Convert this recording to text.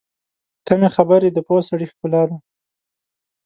کمې خبرې، د پوه سړي ښکلا ده.